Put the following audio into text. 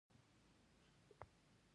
پسه له خلکو سره دوستانه چلند کوي.